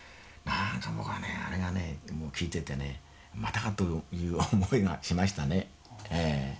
何か僕はねあれがね聞いててねまたかという思いがしましたね。